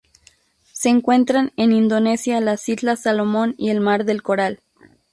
Se encuentran en Indonesia las Islas Salomón y el Mar del Coral.